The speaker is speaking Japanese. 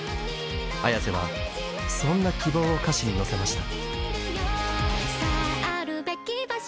Ａｙａｓｅはそんな希望を歌詞に乗せました。